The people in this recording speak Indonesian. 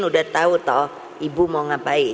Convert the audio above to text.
sudah tahu toh ibu mau ngapain